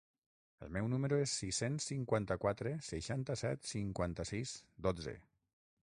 El meu número és sis-cents cinquanta-quatre seixanta-set cinquanta-sis dotze.